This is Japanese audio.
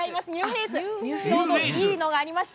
ちょうどいいのがありました。